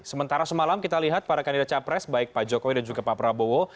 sementara semalam kita lihat para kandidat capres baik pak jokowi dan juga pak prabowo